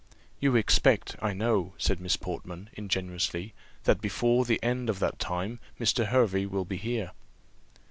"You expect, I know," said Miss Portman, ingenuously, "that before the end of that time Mr. Hervey will be here."